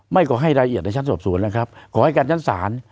ขอให้รายละเอียดในชั้นสอบสวนแล้วครับขอให้การชั้นศาล